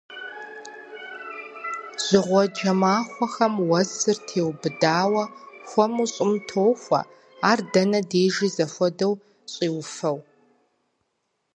Жьыгъуэджэ махуэхэм уэсыр теубыдауэ, хуэму щӏым тохуэ, ар дэнэ дежи зэхуэдэу щӏиуфэу.